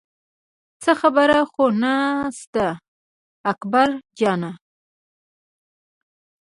څه خبره خو نه شته اکبر جانه.